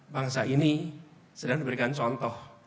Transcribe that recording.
bangsa ini sedang diberikan contoh